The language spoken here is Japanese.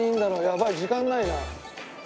やばい時間ないな。